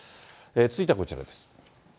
続いてはこちらです。